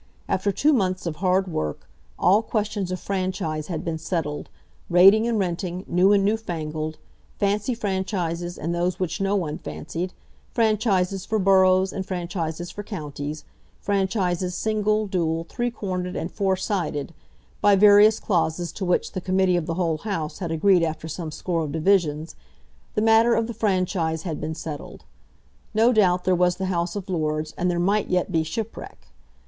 After two months of hard work, all questions of franchise had been settled, rating and renting, new and newfangled, fancy franchises and those which no one fancied, franchises for boroughs and franchises for counties, franchises single, dual, three cornered, and four sided, by various clauses to which the Committee of the whole House had agreed after some score of divisions, the matter of the franchise had been settled. No doubt there was the House of Lords, and there might yet be shipwreck.